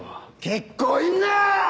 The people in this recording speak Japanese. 結構いんな！